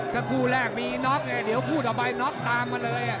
กระคู่แรกมีน็อคหรือเดี๋ยวคู่ต่อไปน็อคตามมาเลย